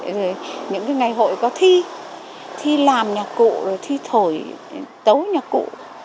rồi những cái ngày hội có thi thi làm nhạc cụ rồi thi thổi tấu nhạc cụ